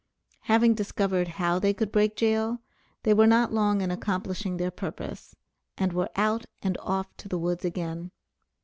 Having discovered how they could break jail, they were not long in accomplishing their purpose, and were out and off to the woods again.